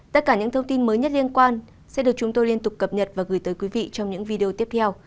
tất cả những thông tin mới nhất liên quan sẽ được chúng tôi liên tục cập nhật và gửi tới quý vị trong những video tiếp theo